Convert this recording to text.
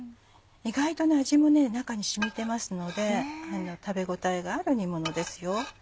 意外と味も中に染みてますので食べ応えがある煮ものですよ。